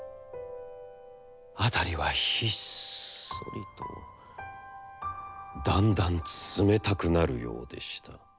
「あたりはひっそりと、だんだん冷めたくなるようでした。